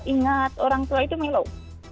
ingat orang tua itu melo